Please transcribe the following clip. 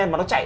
mà nó chạy